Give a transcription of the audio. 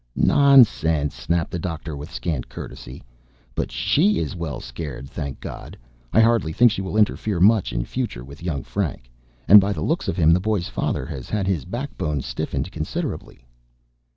"Nonsense," snapped the doctor with scant courtesy. "But she is well scared, thank God. I hardly think she will interfere much in future with young Frank. And by the looks of him, the boy's father has had his backbone stiffened considerably."